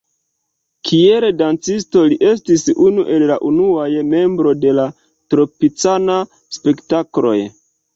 Kiel dancisto li estis unu el la unuaj membroj de la Tropicana-Spektakloj.